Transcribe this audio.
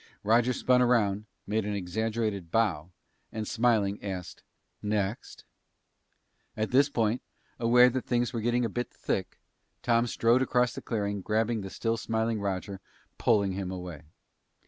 Roger spun around, made an exaggerated bow, and smiling, asked, "Next?" At this point, aware that things were getting a bit thick, Tom strode across the clearing, and grabbing the still smiling Roger, pulled him away.